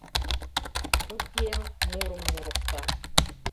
Судьен мурым мурыкта.